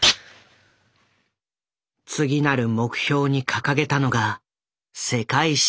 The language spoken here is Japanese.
次なる目標に掲げたのが世界進出。